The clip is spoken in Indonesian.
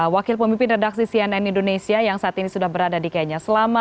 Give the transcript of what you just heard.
wakil pemimpin redaksi cnn indonesia yang saat ini sudah berada di kenya